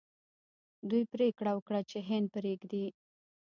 دوی پریکړه وکړه چې هند پریږدي.